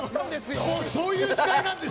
そういう時代なんです。